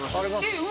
えっ？